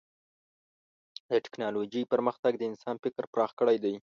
د ټکنالوجۍ پرمختګ د انسان فکر پراخ کړی دی.